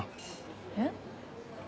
えっ？